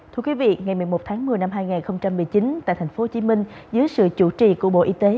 thưa quý vị ngày một mươi một tháng một mươi năm hai nghìn một mươi chín tại tp hcm dưới sự chủ trì của bộ y tế